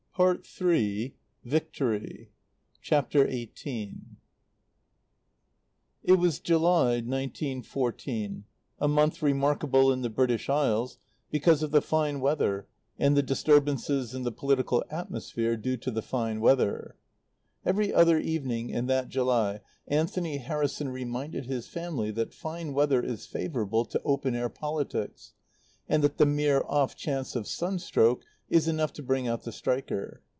PART III VICTORY XVIII It was July, nineteen fourteen, a month remarkable in the British Isles because of the fine weather and the disturbances in the political atmosphere due to the fine weather. Every other evening in that July Anthony Harrison reminded his family that fine weather is favourable to open air politics, and that the mere off chance of sunstroke is enough to bring out the striker.